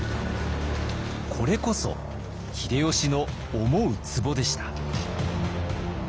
これこそ秀吉の思うつぼでした。